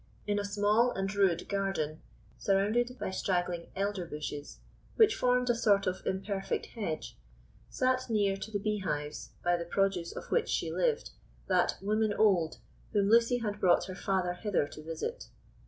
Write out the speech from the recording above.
In a small and rude garden, surrounded by straggling elder bushes, which formed a sort of imperfect hedge, sat near to the beehives, by the produce of which she lived, that "woman old" whom Lucy had brought her father hither to visit.